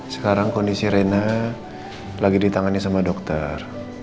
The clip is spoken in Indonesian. sekarang kondisi rina lagi di tangannya sama dokter